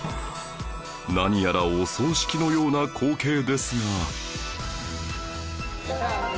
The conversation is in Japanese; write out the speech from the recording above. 何やらお葬式のような光景ですが